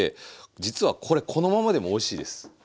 実はこれこのままでもおいしいです。